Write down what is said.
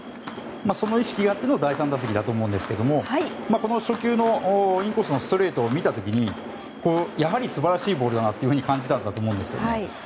その意識があっての第３打席だと思いますが初球の、インコースのストレートを見た時にやはり素晴らしいボールだなと感じたと思うんですね。